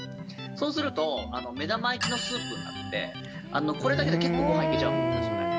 そうすると、目玉焼きのスープになって、これだけで結構ごはんいけちゃうんですよね。